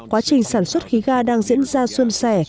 quá trình sản xuất khí ga đang diễn ra xuân sẻ